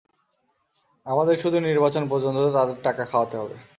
আমাদের শুধু নির্বাচন পর্যন্ত তাদের টাকা খাওয়াতে হবে।